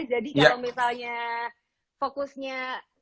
jadi kalau misalnya fokusnya